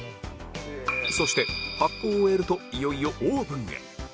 そして発酵を終えるといよいよオーブンへ